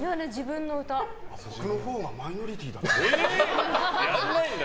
僕のほうがマイノリティーなんだ。